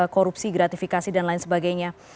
korupsi gratifikasi dan lain sebagainya